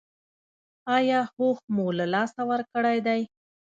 ایا هوښ مو له لاسه ورکړی دی؟